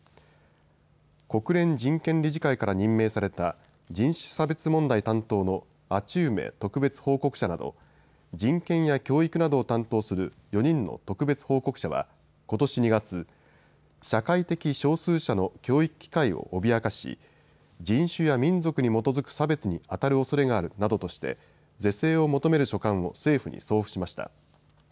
国連人権理事会から任命された人種差別問題担当のアチウメ特別報告者など人権や教育などを担当する４人の特別報告者はことし２月、社会的少数者の教育機会を脅かし人種や民族に基づく差別にあたるおそれがあるなどとして是正を求める書簡を政府に送付しました。